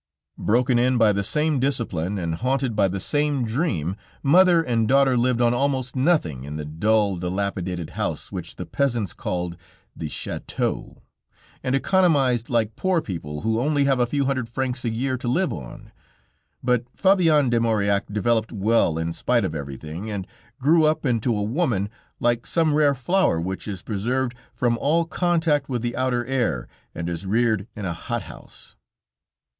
Broken in by the same discipline, and haunted by the same dream, mother and daughter lived on almost nothing in the dull, dilapidated house which the peasants called the château, and economized like poor people who only have a few hundred francs a year to live on. But Fabienne de Maurillac developed well in spite of everything, and grew up into a woman like some rare flower which is preserved from all contact with the outer air and is reared in a hot house.